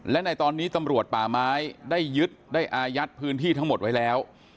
และในตอนนี้ตำรวจป่าไม้ได้ยึดได้อายัดพื้นที่ทั้งหมดไว้แล้ว